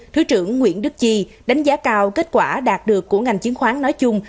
thứ trưởng nguyễn đức chi đánh giá cao kết quả đạt được của ngành chứng khoán nói chung